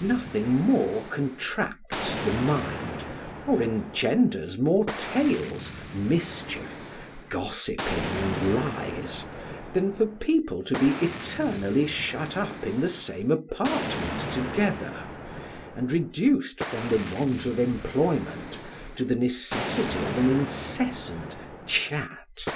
Nothing more contracts the mind, or engenders more tales, mischief, gossiping, and lies, than for people to be eternally shut up in the same apartment together, and reduced, from the want of employment, to the necessity of an incessant chat.